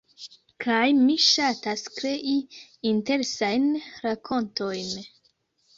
kaj mi ŝatas krei interesajn rakontojn